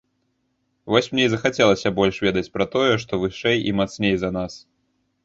Вось мне і захацелася больш ведаць пра тое, што вышэй і мацней за нас.